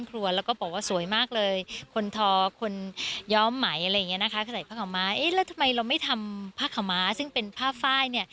แล้วทำไมเราไม่ทำผ้าเขาม้าซึ่งเป็นผ้าไฟ